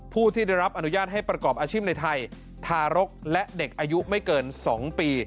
ผู้ที่ได้รับอนุญาตให้ประกอบอาชีพในไทยทารกและเด็กอายุไม่เกิน๒ปี